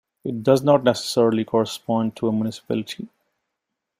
It does not necessarily correspond to a "municipality".